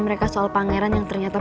karena kalian adalah sahabat sejati